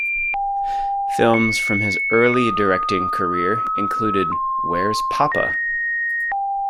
Films from his early directing career included Where's Poppa?